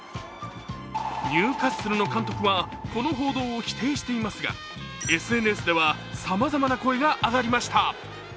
ニューカッスルの監督は、この報道を否定していますがＳＮＳではさまざまな声が上がりました。